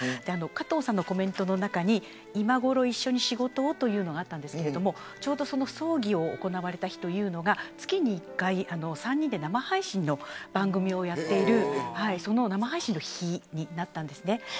加藤さんのコメントの中に今ごろ、一緒に仕事をというのがありましたが葬儀が行われた日というのが月に１回、３人で生配信の番組をやっているその生配信の日だったんです。